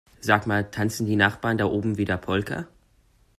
Sag mal, tanzen die Nachbarn da oben wieder Polka?